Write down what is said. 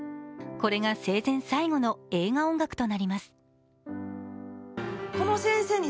これが生前最後の映画音楽となります。